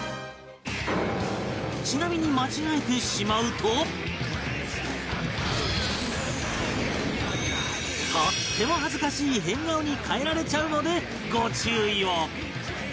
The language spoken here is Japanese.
ちなみにとっても恥ずかしい変顔に変えられちゃうのでご注意を